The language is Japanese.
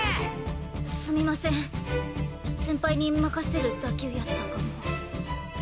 すみません先輩に任せる打球やったかも。